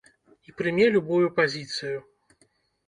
І прыме любую пазіцыю.